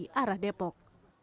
di arah depok